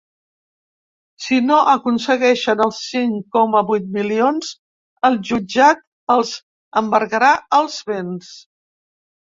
Si no aconsegueixen els cinc coma vuit milions, el jutjat els embargarà els béns.